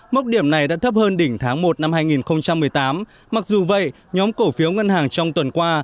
mốc điểm này đã thấp hơn đỉnh tháng một năm hai nghìn một mươi tám mặc dù vậy nhóm cổ phiếu ngân hàng trong tuần qua